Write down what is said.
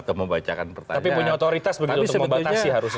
tapi punya otoritas begitu untuk membatasi harusnya